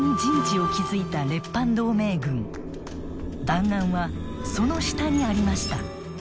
弾丸はその下にありました。